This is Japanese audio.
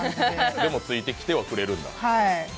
でも、ついてきてはくれるんだ。